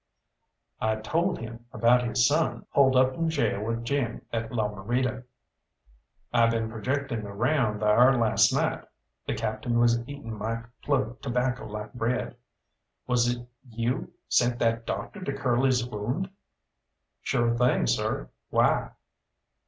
I told him about his son, holed up in gaol with Jim at La Morita. "I been projecting around thar last night" the Captain was eating my plug tobacco like bread. "Was it you sent that doctor to Curly's wound?" "Sure thing, sir. Why?"